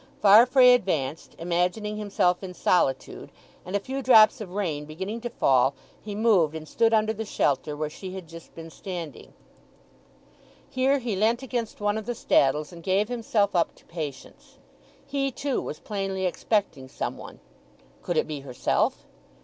Farfrae advanced, imagining himself in solitude, and a few drops of rain beginning to fall he moved and stood under the shelter where she had just been standing. Here he leant against one of the staddles, and gave himself up to patience. He, too, was plainly expecting some one; could it be herself?